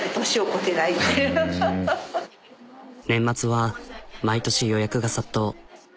年末は毎年予約が殺到。